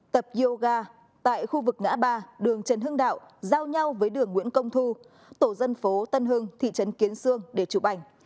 tập yoga tại khu vực ngã ba đường trần hưng đạo giao nhau với đường nguyễn công thu tổ dân phố tân hưng thị trấn kiến sương để chụp ảnh